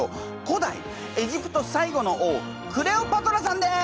古代エジプト最後の王クレオパトラさんです！